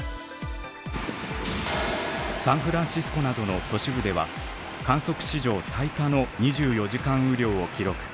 サンフランシスコなどの都市部では観測史上最多の２４時間雨量を記録。